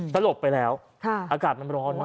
สลบไปแล้วอากาศมันร้อนมาก